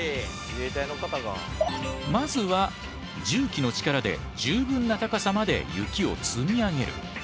まずは重機の力で十分な高さまで雪を積み上げる。